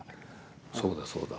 そうだそうだ。